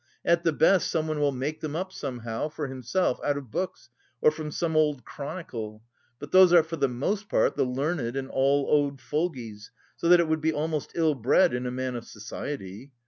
At the best someone will make them up somehow for himself out of books or from some old chronicle. But those are for the most part the learned and all old fogeys, so that it would be almost ill bred in a man of society.